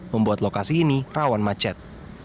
membuat lokasi ini rawan macet